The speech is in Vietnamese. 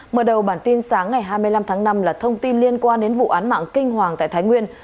mở đầu bản tin sáng ngày hai mươi năm tháng năm là thông tin liên quan đến vụ án mạng kinh hoàng tại thái nguyên